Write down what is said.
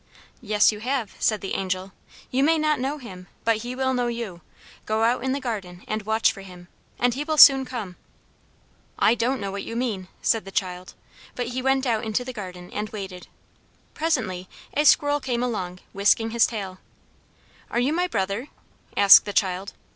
"Yes, you have," said the Angel. "You may not know him, but he will know you. Go out in the garden and watch for him, and he will soon come." "I don't know what you mean!" said the child; but he went out into the garden and waited. Presently a squirrel came along, whisking his tail. "Are you my brother?" asked the child.